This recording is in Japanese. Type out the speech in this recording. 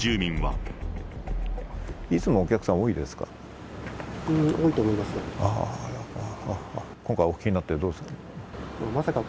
いつもお客さん、多いですか？